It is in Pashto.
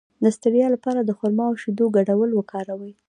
د ستړیا لپاره د خرما او شیدو ګډول وکاروئ